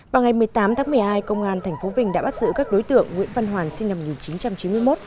vào ngày một mươi tám tháng một mươi hai công an tp vinh đã bắt giữ các đối tượng nguyễn văn hoàn sinh năm một nghìn chín trăm chín mươi một